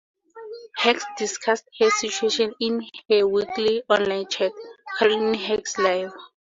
Hax discussed her situation in her weekly online chat, Carolyn Hax Live.